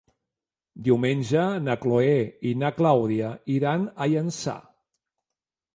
Diumenge na Chloé i na Clàudia iran a Llançà.